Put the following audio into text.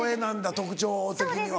特徴的には。